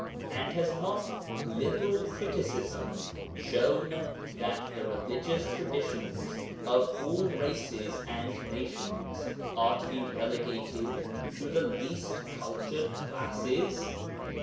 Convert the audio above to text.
And has not liberal criticism shown that the religious traditions of all races and nations are to be relegated to the least cultured classes?